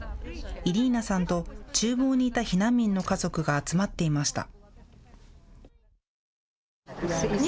イリーナさんと、ちゅう房にいた避難民の家族が集まっていました。